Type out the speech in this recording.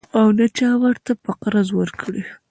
او نه چا ورته په قرض ورکړې.